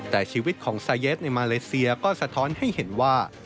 แต่ชีวิตของซาเยสในมาเลเซียก็สะท้อนให้เห็นว่า